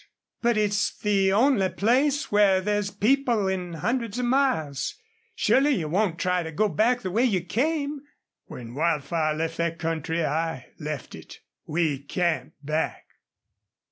"But it's the only place where there's people in hundreds of miles. Surely you won't try to go back the way you came?" "When Wildfire left that country I left it. We can't back."